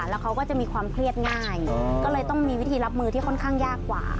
แล้วเขาก็จะมีความเครียดง่ายก็เลยต้องมีวิธีรับมือที่ค่อนข้างยากกว่า